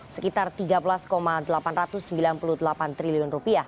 sekitar rp tiga belas delapan ratus sembilan puluh delapan triliun